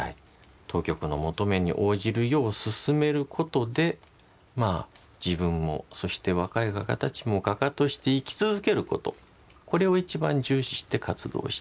当局の求めに応じるよう勧めることでまあ自分もそして若い画家たちも画家として生き続けることこれを一番重視して活動した。